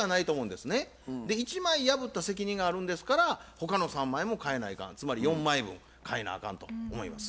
１枚破った責任があるんですから他の３枚も替えないかんつまり４枚分替えなあかんと思います。